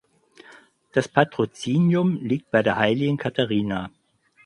Das Patrozinium liegt bei der Heiligen Katharina.